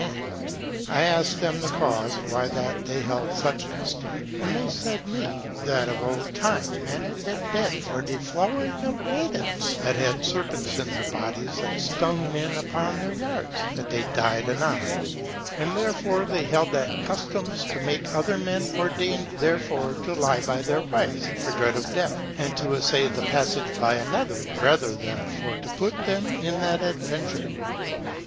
And I asked them the cause why that they held such custom: and they said me, that of old time men had been dead for deflowering of maidens, that had serpents in their bodies that stung men upon their yards, that they died anon: and therefore they held that customs to make other men ordained therefore to lie by their wives, for dread of death, and to assay the passage by another [rather] than for to put them in that adventure.